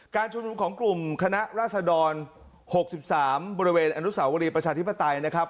การชุมนุมของกลุ่มคณะราษฎร๖๓บริเวณอนุสาวรีประชาธิปไตยนะครับ